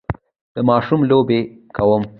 دا ماشوم لوبې کوي.